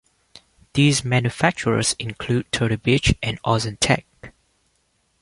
These manufacturers include Turtle Beach and Auzentech.